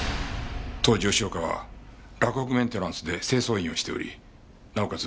当時吉岡は洛北メンテナンスで清掃員をしておりなおかつ